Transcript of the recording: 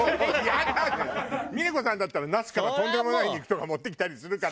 峰子さんだったら那須からとんでもない肉とか持ってきたりするからさ。